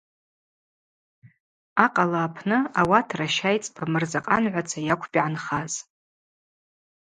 Акъала апны ауат ращайцӏба Мырзакъангӏваца йакӏвпӏ йгӏанхаз.